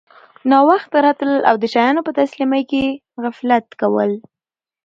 ناوخته راتلل او د شیانو په تسلیمۍ کي غفلت کول